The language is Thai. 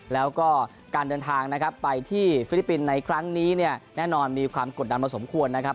แล้วก็การเดินทางนะครับไปที่ฟิลิปปินส์ในครั้งนี้เนี่ยแน่นอนมีความกดดันพอสมควรนะครับ